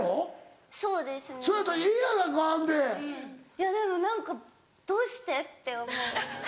いやでも何か「どうして？」って思う。